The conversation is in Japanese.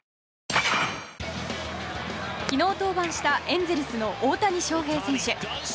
昨日登板したエンゼルスの大谷翔平選手。